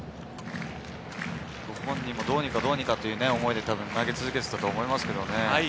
本人もどうにかという思いで投げ続けてたと思いますね。